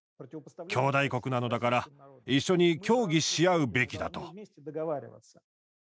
兄弟国なのだから一緒に協議し合うべきだと。